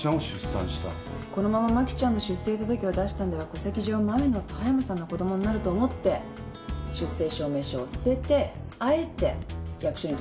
このまま真希ちゃんの出生届を出したんでは戸籍上前の夫葉山さんの子供になると思って出生証明書を捨ててあえて役所に届けなかったのね。